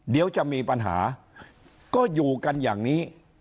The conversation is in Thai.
เดี๋ยวจะมีปัญหาก็อยู่กันอย่างนี้